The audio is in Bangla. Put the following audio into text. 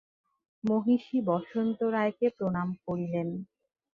মহিষী বসন্ত রায়কে প্রণাম করিলেন।